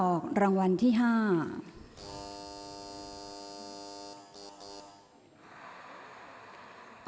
ออกรางวัลที่๖เลขที่๗